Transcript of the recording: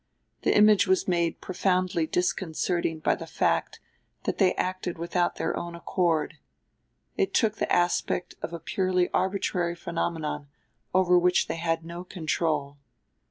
The image was made profoundly disconcerting by the fact that they acted without their own accord; it took the aspect of a purely arbitrary phenomenon over which they had no control.